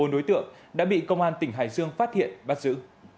bốn đối tượng đã bị công an tỉnh hải dương phát hiện bắt giữ